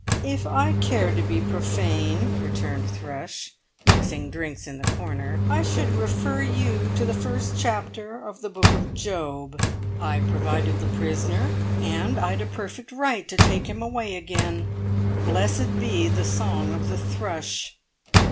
"If I cared to be profane," returned Thrush, mixing drinks in the corner, "I should refer you to the first chapter of the Book of Job. I provided the prisoner, and I'd a perfect right to take him away again. Blessed be the song of the Thrush!"